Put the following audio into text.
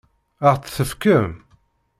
Ad ɣ-tt-tefkem?